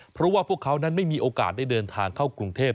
เพราะว่าพวกเขานั้นไม่มีโอกาสได้เดินทางเข้ากรุงเทพ